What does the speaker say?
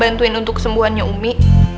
mau ngebantuin untuk kesembuhannya umi